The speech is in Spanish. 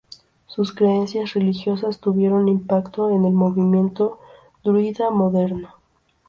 Sus creencias religiosas tuvieron impacto en el movimiento druida moderno.